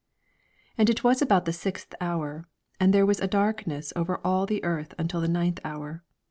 44 And it was about the sixth hour, and there was a darkness over all the earth until the ninth hour.